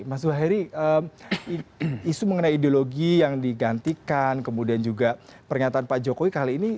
mas zuhari isu mengenai ideologi yang digantikan kemudian juga pernyataan pak jokowi kali ini